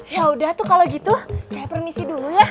ya udah tuh kalau gitu saya permisi dulu ya